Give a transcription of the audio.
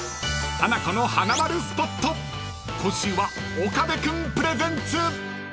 ［今週は岡部君プレゼンツ］